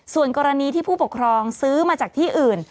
ส่วนกรณีที่ผู้ปกครองซื้อมาจากที่อื่น